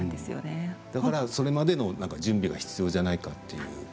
だから、それまでの準備が必要じゃないかっていう。